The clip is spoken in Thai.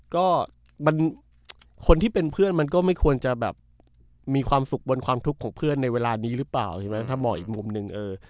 ก็มันคนที่เป็นเพื่อนมันก็ไม่ควรจะแบบมีความสุขบนความทุกข์ของเพื่อนในเวลานี้หรือเปล่าใช่ไหมถ้ามองอีกมุมหนึ่งเออ